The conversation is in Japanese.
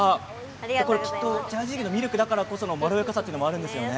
ジャージー牛のミルクだからこそのまろやかさがあるんですね。